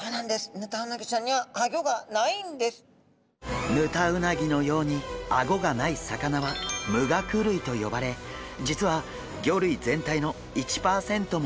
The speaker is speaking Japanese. ヌタウナギのようにアゴがない魚は無顎類と呼ばれ実は魚類全体の１パーセントもいない種類です。